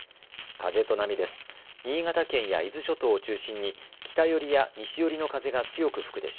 風と波です。